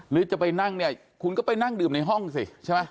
หรือจะไปนั่งเนี่ยคุณก็ไปนั่งดื่มในห้องสิใช่ไหม